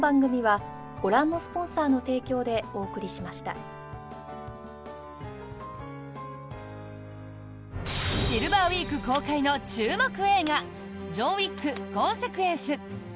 続くシルバーウィーク公開の注目映画「ジョン・ウィック：コンセクエンス」。